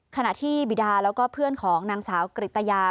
ขณะที่บิดาแล้วก็เพื่อนของนางสาวกริตยา